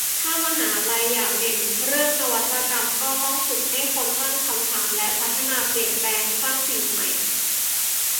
ถ้ามหาลัยอยากเด่นเรื่องนวัตกรรม ก็ต้องฝึกให้คนตั้งคำถาม และพัฒนาเปลี่ยนแปลงสร้างสิ่งใหม่